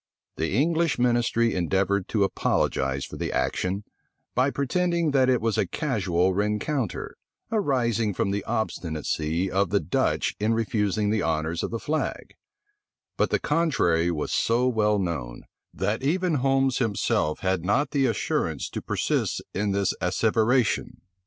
The English ministry endeavored to apologize for the action, by pretending that it was a casual rencounter, arising from the obstinacy of the Dutch in refusing the honors of the flag: but the contrary was so well known, that even Holmes himself had not the assurance to persist in this asseveration.